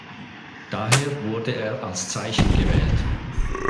Daher wurde er als Zeichen gewählt.